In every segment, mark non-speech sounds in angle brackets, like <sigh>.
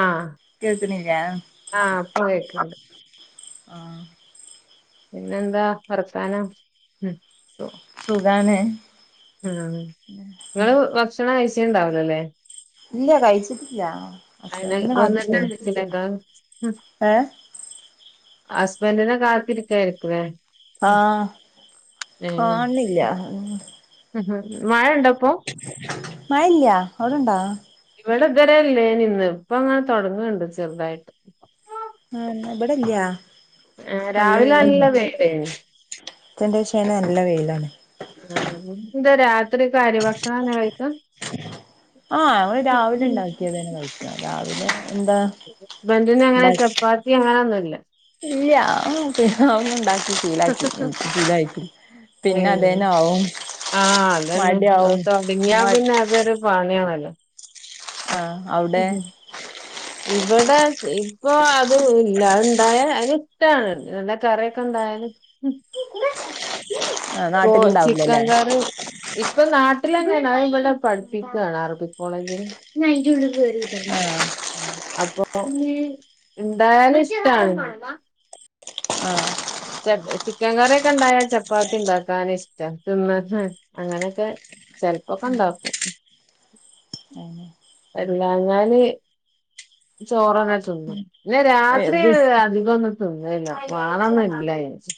ആഹ് കേൾക്കണില്ല ആഹ് പ്പകേക്ക്ണ്ട് ആഹ് പിന്നെന്താ വർത്താനം ഉം സു സുഖാണ് ആഹ് ഇങ്ങള് ഭക്ഷണം കഴ്ച്ച് ഇണ്ടാവുലലെ ഇല്ല കഴിച്ചിട്ടില്ല അയിന് ഹസ്ബൻഡ്നെ കാത്ത്ക്കാണ് വന്നിട്ടായിരിക്കുലേ ഏഹ് ഹസ്ബന്റിനെ കാത്തിരിക്കയിരിക്കും ലെ ആഹ് കാണ്നില്ല മഴ ഇണ്ടപ്പൊ മയല്ല്യ അവ്ടണ്ടോ? ഇവിടെ ഇത് വരെ ഇല്ലേയ്നിന്ന് ഇപ്പങ്ങനെ തൊടങ്ങ്ണ്ട് ചെറ്തായി ഏഹ് ഇന്നവിടല്ല്യ ഏഹ് രാവിലെ നല്ല വെയ്ലെന് ഉച്ചന്റെ ശയ്ന് നല്ല വെയിലാണ്. ആഹ് എന്താ രാത്രിക്കെ അരി ഭക്ഷണന്നെ കഴിക്ക ആഹ് ഞങ്ങൾ രാവിലെ ഇണ്ടാക്കിയതന്നെ കഴിക്ക രാവിലെ എന്താ ഹസ്ബന്റിന് അങ്ങനെ ഉണ്ടാക്കി ചപ്പാത്തി അങ്ങനെ ഒന്നുല്ല ഇല്ല അതൊന്നും ഇണ്ടാക്കിശിലായി റ്റില്ല ഷിലായി ഉം ആഹ് അതന്നെ അത് മടിയാവും തൊടങ്ങിയാ മ പിന്നെ അതൊരു പാണിയാണല്ലോ? ആഹ് അ ഇവ്ടെ ഇപ്പൊ അത് ഇല്ല അത്ണ്ടായാൽ അയി ഷ്ട്ടാണ് നല്ല കറിയക്കണ്ടായാല് പോ ചിക്കം നാട്ടിലുണ്ടാവൂലല്ലേ കറി ഇപ്പ നാട്ടിലെന്നേണ് അത് ഇവ്ടെ പഠിപ്പിക്കാണ് അറബി കോളേജില് ആഹ് അപ്പൊ ഇണ്ടായാല് ഇഷ്ടാണ് ആഹ് ച ചിക്കൻ കറിയൊക്കെ ഇണ്ടായാ ചപ്പാത്തി ഇണ്ടാക്കാൻ ഇഷ്ട തിന്ന അങ്ങനെക്കെ ചെലപ്പൊക്ക ഇണ്ടാക്കും <inaudible> അല്ലഞ്ഞാൽ ചോറന്നെ ചുന്നും ഇല്ല രാത്രി ദുസ് അധികം തിന്നല്ല വേണന്നല്ല ചേച്ചി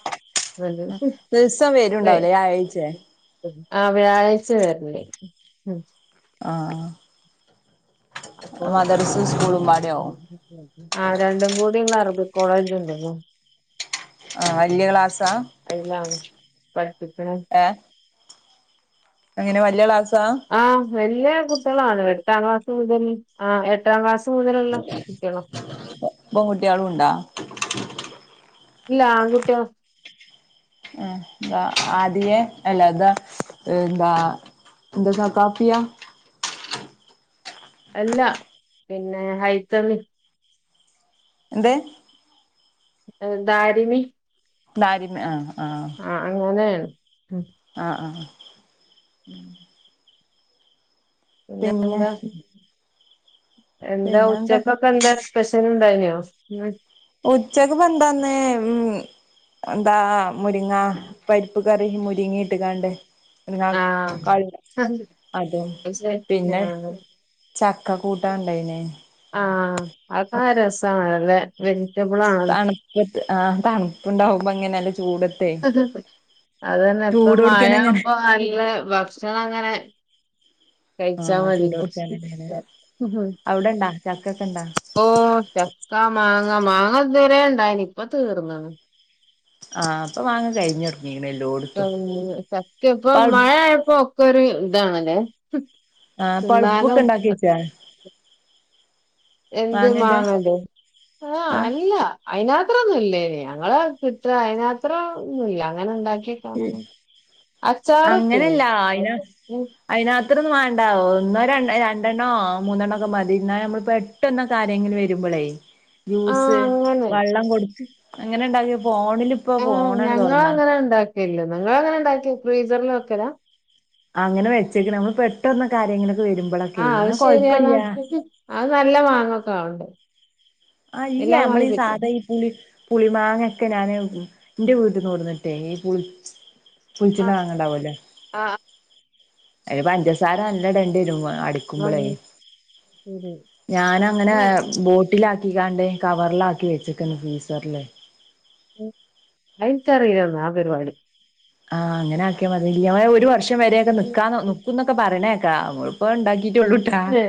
അത ദിവസം വരുണ്ടാവുലേ വ്യാഴാഴ്ചേ ആഹ് വ്യാഴ്ച വരല് ആഹ് ആഹ് മദർസ് സ്കൂളും പാടയാവും ആഹ് രണ്ടും കൂടിള്ള അറബിക് കോളേജ് ഇണ്ടല്ലോ ആഹ് വല്യ ക്ലാസ്സാ അയിലാണ് പഠിപ്പിക്ക്ണെ ഏഹ് അങ്ങനെ വല്ല്യ ക്ലാസാ ആഹ് വല്യ കുട്ടിയളാണ് എട്ടാം ക്ലാസ്സ്‌ മുതല് ആഹ് എട്ടാം ക്ലാസ് മുതലല്ലോ കുട്ടിയാള ബൺകുട്ടിയളും ഉണ്ടാ ഇല്ല ആൺകുട്ടിയ ആഹ് എന്താ ആദിയെ അല്ലാതെ എന്താ എന്താ സക്കാപ്പിയാ അല്ല പിന്നെ ഹൈത്തമി എന്ത് ദാരിമി ലാരിമ ആഹ്‌ ആഹ്‌ ആ അങ്ങനെയാണ് ആ ആ പിന്ന പിന്നെ എന്താ എന്താ പിന്നെന്താ ഉച്ചകൊ എന്താ സ്പെഷ്യൽ ഉണ്ടായിനോ ഉ ഉച്ചക്ക് പന്തന്ന ഇന്ന് എന്താ മുരിങ്ങ പരിപ്പ് കറി മുരിങ്ങി ഇട്ട് കാണ്ട് എന്നാ ആഹ് അതും പിന്നെ ആഹ് ചക്ക കൂട്ടാ ഇണ്ടായിനെ ആഹ്‌ അതൊക്കെ രസാണല്ലേ വെജിറ്റബിൾ ആണല്ല ഇപ്പ ആ തണുപ്പുണ്ടാവുമ്പ ഇങ്ങനെ നല്ല ചൂട് അ അത് തന്നെ ഇപ്പ മഴ ചൂടോട്ക്കനെങ്ങനെ ആവുമ്പോ നല്ല ഭക്ഷണം ങ്ങനെ ആഹ് കഴിച്ചാമതി ചൂടോട്ക്കനെങ്ങനെ അവിടെണ്ടാ ചക്കൊക്കെണ്ടാ ഓ ചക്ക മാങ്ങ മാങ്ങ ഇതുവരെ ഇണ്ടായിനി ഇപ്പ തീർന്നാണ് ആഹ് ഇപ്പ മാങ്ങാ കഴിഞ്ഞ തുടങ്ങീകുണു എല്ലോട്ത് ചക്കയ ഇപ്പ മഴ ആയപ്പോ ഒക്കെ ഒരു ഇതാണല്ലേ ആ തിന്നാനോ പൾപ്പൊക്കെണ്ടാക്കി വെച്ചാ എന്ത് മാങ്ങന്റെ മാങ്ങൻറ്റെ ആഹ ആഹ് അല്ല അയിനാത്രൊന്നും ഇല്ലേയ്നി ഞങ്ങള് കത്ര അയിനാത്ര ഒന്നും ഇല്ല അങ്ങനെ ഇണ്ടാക്കി അച്ചാറിട്ടീന്നു അയിനാത്രത്രൊന്ന് വാണ്ട ഒന്നോ ര രണ്ടെണ്ണോ മൂന്നെണ്ണോ ഒക്കെ മതി എന്നാൽ നമ്മളിപ്പോ ട്ടെന്നൊക്കെ ആരെകിലും വരുമ്പോളേ ആഹ് ജ്യൂസ് അങ്ങനെ വള്ളം കൊടുക്ക അങ്ങനെ ഇണ്ടാക്കിയ ഫോണില് ആഹ്‌ ഞങ്ങള് അങ്ങനെ ഇണ്ടാക്കലില്ല നിങ്ങൾ അങ്ങനെ ഇണ്ടാക്കി ഫ്രീസറിൽ വെക്കല അങ്ങനെ വെച്ചേക്കെ നമ്മൾ പെട്ടന്നൊക്കെ ആരെങ്കിലും വരുമ്പോള ആഹ് അത് ശരിയാണ് അത് നല്ല മാങ്ങൊക്കെ ആാവണ്ട് ആഹ് ഇല്ല നമ്മളെ ഈ സാധാ പുളി മാങ്ങയൊക്കെ ഞാൻ ൻ്റെ വീട്ടിൽന്ന്കൊടുന്നിട്ടെ ഈ പുളി പുളിച്ച്ണ ആഹ് വാങ്ങണ്ടാവല്ലേ ആഹ് അയി ല് പഞ്ചസാര നല്ല ഇടണ്ടി വരും അട ആഹ് ശരി. ഞാനങ്ങനെ ബോട്ടില ആകികാണ്ട് കവറില് ആക്കി വെച്ചിക്ക്‌ണ് ഫ്രീസറില് അയിൻകറീല ആ പരിപാടി ആഹ് അങ്ങനെ ആക്കിയാ മതി ഒരു വർഷം വരെയൊക്കെ നിക്കാ നിക്കും ന്നൊക്കെ പറയണേക്കാ ഇപ്പ ഇണ്ടാക്കിട്ടള്ളൂട്ടാ ഏഹ്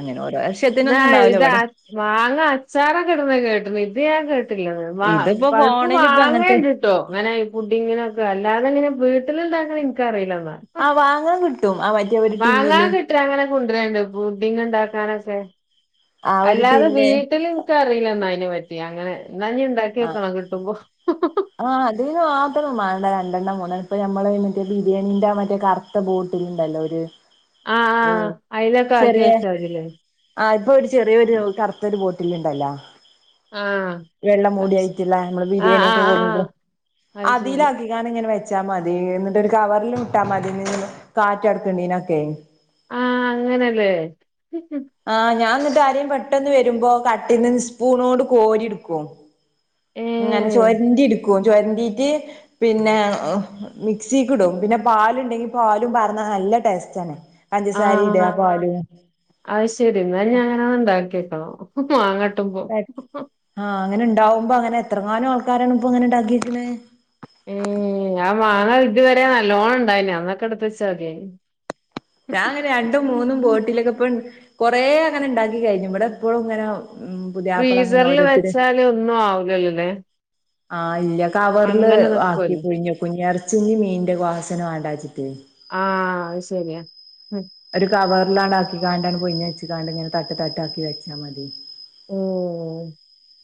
അങ്ങനെ ഒരു ഇതാ വർഷത്തിനൊന്നും ഉണ്ടാവൂല ഇത് അ- ഇവിടെ മാങ്ങ അച്ചാറ് ഇണ്ട്ണ് കേട്ടണ് ഇത് ഞാൻ കേ <unintelligible> ഇതിപ്പോ പഴുപ്പ് ഫോണിൽ ഇപ്പ അങ്ങനത്തെ വാങ്ങേണ്ട് ട്ടോ അങ്ങനെ ഈ പുഡിങ്ങനൊക്കെ അല്ലാതങ്ങനെ വീട്ടിലിണ്ടാക്കണ് എനിക്കറിയില്ല ഇ ന്നാ ആഹ് വാങ്ങാൻ കിട്ടും ആ ഒരു മാങ്ങാ ടിന്നില് കിട്ട അങ്ങനെ കൊണ്ടരണ്ട് പുഡിങ് ഇണ്ടാക്കാനൊക്കെ ആ ഒരു അല്ലാതെ ടിന്ന് വീട്ടില് ഇച്ച് അറിയില്ല എന്നാ അതിനെ പറ്റി അങ്ങനെ ഇന്ന ഇണ്ടാക്കി ആഹ് വെക്കണം കിട്ടുമ്പോ ആഹ് അതിന് മാത്രം വേണ്ട രണ്ടെണ്ണം മൂന്ന് ഇപ്പൊ നമ്മളെ ബിരിയാണീന്റെ മറ്റേ കറ ത്ത ബുട്ടിൽണ്ടല്ലോ ഒരു ആ ആ അതിലൊക്കെ ആക്കി ചെറിയ വെച്ചാ മതില്ലേ ആഹ് ഇപ്പൊ ഒരു ചെറിയൊരു കറുത്തൊരു ബോട്ടിൽ ഇണ്ടല്ലോ ആ വെള്ള അത് ശ- മൂടിആയിട്ടിലല്ലെ നമ്മള് ആ ആ ബിരിയാണിയൊക്കെ ആ കൊണ്ടരും അത് അതില ശരി <unintelligible> ന ഇങ്ങനെ വെച്ചാ മതി എന്നിട്ട് കവറിലിട്ടാ മതി കാറ്റ് കടക്കിണേനൊക്കെ അങ്ങനെല്ലേ ആഹ് ഞാൻ ആരേലും പെട്ടെന്ന് വരുമ്പോ കട്ടീന്ന് സ്പൂണോടണ്ട് കോരി ഇട്ക്കും ഏ ങ്ങനെചൊരണ്ടി എടുക്കും ചൊരണ്ടീട്ട് പിന്നെ മിക്സീക്ക് ഇടും പിന്നെ പാലുണ്ടെങ്കി പാലും പാർന്നാ നല്ല ടേസ്റ്റ ആണ് പഞ്ചസാരിടാ പാലും. അഹ്ശെരി ഇന്നാഞാങ്ങനെ ഉണ്ടാക്കിയക്കണം മാങ്ങട്ടുമ്പോ ആഹ് അങ്ങനെ ഇണ്ടാവുമ്പോ അങ്ങനെ എത്രങ്ങാനും ആൾക്കാരാണ് ഇപ്പൊ ഇങ്ങനെ ഇണ്ടാക്കിക്ണ് ഏ ഞാ മാങ്ങ ഇതുവരെ നല്ലോണം ഉണ്ടായിന് അന്നൊക്കെ എടുത്തെച്ചാ മതിയെന്. ഞാന ങ്ങ രണ്ടും മൂന്നും ബോട്ടിലൊക്കെ ഇപ്പൻ കൊറെ അങ്ങനെ ഇണ്ടാക്കി കഴിഞ്ഞു ഇവിടെ ഇപ്പഴും ഇങ്ങനെ ഉം പുതിയാപ്പള അങ്ങനെ ഫ്രീസർല് ഓരോരുത്തര് വെച്ചാല് ഒന്നും ആവു ലല്ലല്ലേ ആഹ് ഇല്ല കവർല് ആക്കി പുയ്‌ഞ്ഞ കുഞ്ഞേറച്ചിന്ടിം മീനിന്ടെ വാസന വാണ്ടാച്ചിട്ട്. ആഹ് അയ്ശെരിയാ. ഒരു കവർലാണ്ടാക്കികാണ്ടാണ് അങ്ങണ്ട് പൊയ്ഞ്ഞ് വച്ച്ങ്ങാണ്ട് ഇങ്ങനെ തട്ട് തട്ട് ആക്കി വെച്ചാ മതി. മ്മ്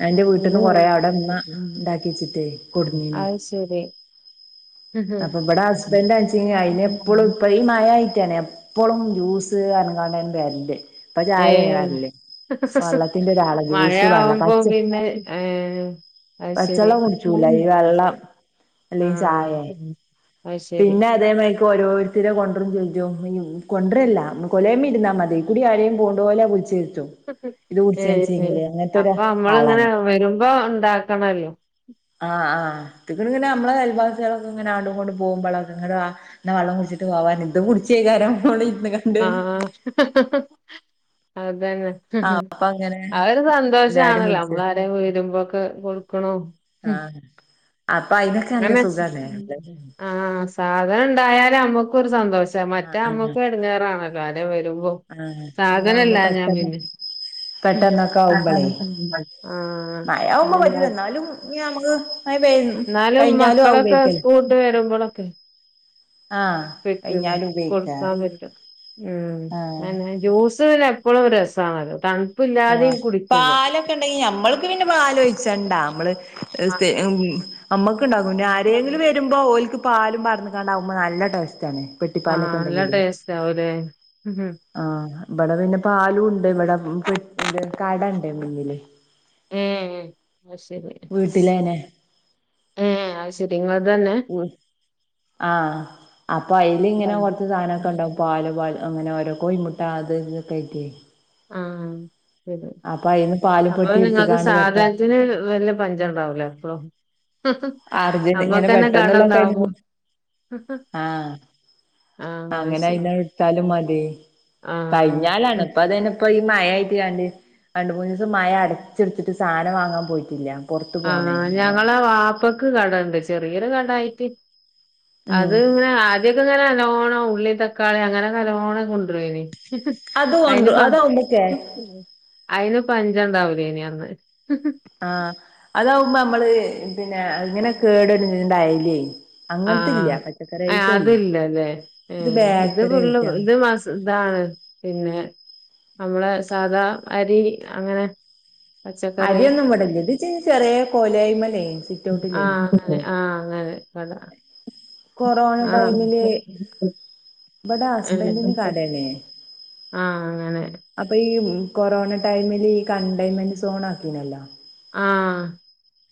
എന്റെ വീട്ടിന്ന് കൊറേ അവിടെ ഇമ്മ <unintelligible> ഇണ്ടാക്കി വെച്ചിട്ടേ കൊടുന്നീനു ആഹ് ശെ- ശെരി അപ്പബ്ട ഹസ്ബനന്റാച്ചെങ്ങെ അയ്‌നെ എപ്പളും ഇപ്പ- പ്പ ഈ മഴായിട്ടാണെ എപ്പളും ജ്യൂസ് പർഞ്ങ്ങാണ്ട്ൻ വെര്ല് ഇപ്പ ഏ ചായന വരല് വെള്ളത്തിന്റെ രാള മഴ ജ്യൂസ് വെള്ളം ആവുമ്പോ പച്ച പിന്നെ ഏ ഹ് പച്ചെള്ളം കുടിച്ചൂല ഈ വെള്ളം അല്ലെങ്കി ചായെ ആ അത് ശരി പിനെ അതേമാരി ഇപ്പൊ ഓരോരുത്തരെ കൊണ്ടരും ചെയ്യും കൊണ്ടരല്ല കൊലേമേ ഇരുന്നാ മതി കുടി ആരേയും പോണ്ടോല വിളി- ചെര്ത്തും ഹ് ഹ് ഏ ഏ അപ്പ നമ്മള്ങ്ങനെ ആളാണ് വരുമ്പോ ഉണ്ടാക്കണല്ലോ. ആഹ് ആഹ് ട്ട്ക്ണ് പിനെ നമ്മെളെ അയൽവാസേളൊക്കിങ്ങനെ ആടും കൊണ്ട് പൊ- പോമ്പള ഒന്ന് ഇങ്ട് വാ പിനെ വള്ളം കുടിച്ച്ട്ട് പോവാൻ ഇതും കുടിചെയ്ക്കാരം ഇവടെ ഇരിന്ന് ങ്ങണ്ട്. ഹ ഹ ഹ അതനെ. ഹ് ഹ് ആഹ് അപ്പ അങ്ങനെ അത് ഒരു എല്ലാരും സന്തോഷാണല്ലോ വിളിച്ച് നമ്മളാരേം വരുമ്പൊക്കെ കൊടുക്കണോം. ആഹ അപ്പയ്നൊക്കെ നല്ല അങ്ങനെ സുഖാലെ. ആഹ് സാധന്ണ്ടായാല നമ്മക്കൊരു സന്തോഷം. ആഹ് മറ്റേ ആഹ് അമ്മക്കും എടങ്ങാറാണല്ലോ ആരേം വെരുമ്പോ ആഹ് ഇങ്ങനെ ആവുമ്പോ സാധനല്ലാഞ്ഞാ പെട്ടെന്ന് പിനെ. പെട്ടെന്നൊക്കെ ആവുമ്പളേ ആഹ് <unintelligible> മഴ ആവുമ്പോ പിനെന്താ? പറ്റൂല എന്നാലും ഇനി നമക്ക് മയ പെയ്യുന്നു ന്നാലും മക്കളൊക്കെ സ്കൂള്ട്ട് വെരുമ്പൊളൊക്കെ- ആഹ് പെറ്റൊള്ളോ കഴിഞ്ഞാലും ഉപയോഗിക്ക കൊടുക്കാപറ്റും. ഉം ആഹ് അയനെ ജ്യൂസ് പിനെ എപ്പഴും രസമാണല്ലോ തണ്പില്ലാതെയും കുടിക്കില്ലേ. ക്ക്‌ണ്ടെങ്കി നമ്മൾക്ക് പിനെ പാലൊയ്ച്ചണ്ടാ നമ്മള് സ്തെഇമ് നമ്മക്ണ്ടാകുമ്പൊ പിനാരേങ്കിലും വെരുമ്പൊ ഓല്ക്ക് പാലും പാർന്ന് ങ്ങാണ്ടാവുമ്പ നല്ല ട്ടേസ്റ്റാണ്. ആഹ് നല്ല ട്ടേസ്റ്റാവുലേ. ആഹ് ഇപടെ പിനെ പാലുണ്ട് ഇവടെ പൊരിക്കണ്ട് കടണ്ട് മുനില്. ഏ അഹ് അശെരി. വീട്ടിലേനെ അഹ് ശെരി ഇങ്ങൾതന്നെ. ആഹ അപ്പയ്ലിങ്ങനെ കൊറച്ച് സാനൊക്കെണ്ടാവും പാല് പാല്. അങ്ങനെ ഓരോ കോയ്മുട്ട അത് ഇതൊക്കെ ആയ്റ്റ്. ആഹശെരി അയിന്ന് പാലും അപ്പ പെട്ടി നിങ്ങൾക്ക് എടുത്ത്ക്കാണ്ട് പെട്ട സാധാനത്തിന് വല്ലപ്- പഞ്ചണ്ടാവൂലെ അപ്പൊ. ഹ് ഹ് അർജന്റ് ഇങ്ങനെ ന്നമ്മക്കനെ പെട്ടെന്നുള്ള കടണ്ടാവോ ടൈമിന് ഹ് ഹ്. അങ്ങനയിന്നാണ്ട് ഇട്ത്താലും മതി കഴിഞ്ഞാലാണ് ആഹ് ഇപ്പ അതെന്നെ ഇപ്പ ഈ മായായിട്ട് ങ്ങാണ്ട് രണ്ട് മുന്നീസം മയ അടച്ച് അടച്ചിട്ത്ട്ട് സാനം വാങ്ങാൻ പോയിറ്റില്ല. ആ ഞങ്ങളെ വാ പ്പക്ക് കടണ്ട് ചെറിയൊര് കടയ്ട്ട് ഉം അത് ഇങ്ങനെ ആര്- ആത്യൊക്കെ ഇങ്ങനെ ന്നല്ലോണം ഉള്ളീം തക്കാളീം അങ്ങനെക്കെ ന്നല്ലോണം കൊണ്ട്രായ്നി. അത് കൊണ്ട് അയ്ന്പ്പ. അതാവുമ്പോ കേ അയ്ന് പഞ്ചണ്ടാവൂലേനി അന്ന്. ആഹ് അതാവുമ്പോ നമ്മള് പിന്നേ ഇങ്ങനെ കേടരുണ്ടായീലേ. ആഹ് ഏഹ് അതില്ലല്ലേ ഏഹ് ഇത് ബേക്കറി പുള്ളും ആയിറ്റാ ഇത് വസ് ഇതാണ് പിന്നെ നമ്മളെ സാദാ അരി അങ്ങനെ. പച്ചക്കറി അരിയൊന്നും ഇവടെല്ല്യ ഇത് ചെറിയ കോലായ്മലേ സിറ്റ ഔട്ടിലേ. തെ ആഹ് അങ്ങനെ പട. കൊറോണ ടൈമ് ല് <inaudible> ആഹ് അങ്ങനെ. അപ്പൊ ഈ കൊറോണ ടൈമ് ല് ഈ കണ്ടെയ്മെന്റ് സോൺ ആക്കീനല്ലോ. ആഹ്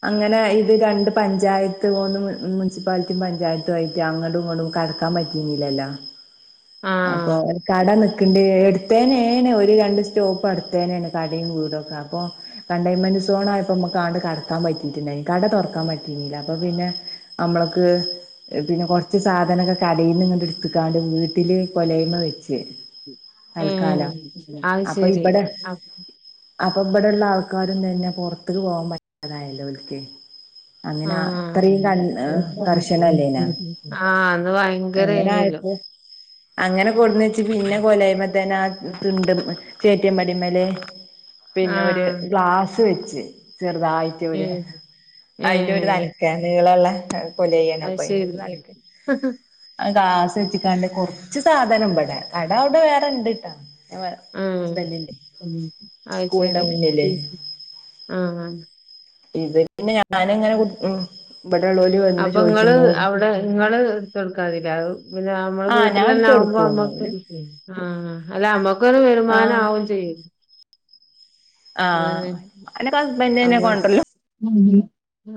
അങ്ങനെ ഇത് രണ്ട് പഞ്ചായത്ത് പോന്ന് മുൻസിപ്പാലിറ്റി പഞ്ചായത്തുആയിട്ട് അങ്ങട്ടും ഇങ്ങടും കര ൻ പറ്റീനില്ലല്ലോ ആഹ് അപ്പൊ കട ക്ണ്ട് എടുത്തേനേന് ഒരു രണ്ട് സ്റ്റോപ്പട്ത്തേന്നേണ് കടിം കൂടൊക്കെ അപ്പൊ കണ്ടെയൻമെന്റ് സോൺ ആയപ്പോ മ്മക്ക്ആണ്ട് കടക്കാൻ പറ്റീട്ടില്ലായ്നി കട തൊറക്കാൻ പറ്റീനീല്ല അപ്പൊ പിന്നെ നമ്മളക്ക് പിന്നെ കൊർച്ച് സാധനങ്ങക്കെ കടീന്ന് ഇങ്ങണ്ട് ട്ത്ക്കാണ്ട് വ്ട്ട്ല് കൊലായ്മെ വെച്ച് തൽക്കാലം ഏഹ് അത് അപ്പൊ ശരി ഇബടെ അപ് അപ്പൊ ഇബടെള്ള ആൾക്കാരും തന്നെ പൊർത്ക്ക് പോവാൻ പറ്റതായല്ലോ ഓൽക്ക്. അങ്ങനെ ആഹ് അതറീം കാലം കർശനല്ലേനാ ആഹ് അന്ന് ഭയങ്കരേനല്ലോ അങ്ങനായപ്പൊ അങ്ങനെ കൊടുന്നെച്ച് പിന്നെ കൊലായ്മത്തെന്നെ ത്ൻണ്ട്മ്മെ ചേറ്റിയപടിമ്മല്. പിന്നെ ഒര് ആഹ് ഗ്ലാസ് വെച്ച് ചെറുതായിട്ട് ഒര് ഏഹ് അയ്ന്റെ ഒരു ഏഹ് നര നീ ളല്ലേ കോലേയിൽ ആണ് അത് അപ്പൊ അയിന് ശരി തലക്ക്. ആദാസ് എച്ക്കാണ്ട് കുറച്ച് സാധനം ഇവടെ കട അവിടെ വേറെണ്ട്ട്ടാ. ആഹ് ഹസ്ബണ്ടിന്റെ അത് സ്കൂളിന്റെ ശരി മുന്നില്. ആഹ് ഇത് പിന്നെ ഞാനങ്ങനെ ഉം ഇവിടെ ഉള്ളോള് വന്ന് അപ്പൊ ഇങ്ങള് ചോയ്ചുബോ അവിടെ നിങ്ങള്. <unintelligible> പിന്ന നമ്മ ആഹ് ഞാൻ വീട്ടിൽന്നെ എടുത്ത് ആകുമ്പോ കൊടുക്കും അമ്മക് ഓല് ഒര് ഇതേയ് ആ മ്മക്ക്. ക് ഒര് വരുമാനം ആഹ് ആവും ചെയ്യതു. ആഹ് അന്റെക്ക ഹസ്ബൻഡ്. അങ്ങ്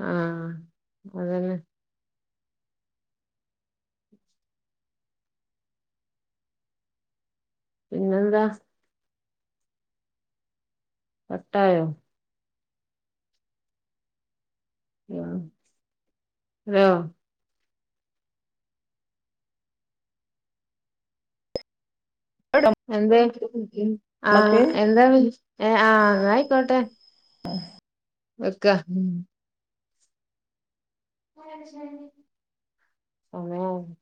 ആഹ് പോകാനാ പിന്നെന്താ കട്ടായോ ആഹ് ഹലോ ഔടേ എന്തേ ആഹ് എന്താ ആഹ് ആയിക്കോട്ടെ ആഹ് വെക്ക <unintelligible>